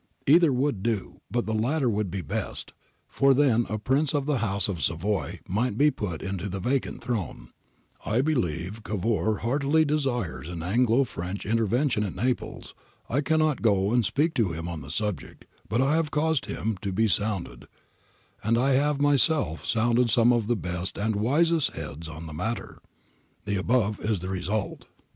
Either would do, but the latter would be best, for then a Prince of the House of Savoy might be put into the vacant throne. ' I believe Cavour heartily desires an Anglo PVench intervention at Naples. I cannot go and speak to him on the subject, but I have caused him to be sounded, and I have myself sounded some of the best and wisest heads on the matter ;— the above is the result.'